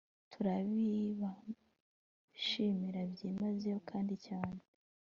turabibashimira byimazeyo kandi cyane